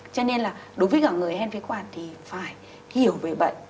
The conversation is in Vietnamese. cho nên là đối với cả người hen phế quản thì phải hiểu về bệnh